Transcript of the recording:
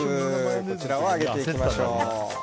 こちらをあげていきましょう。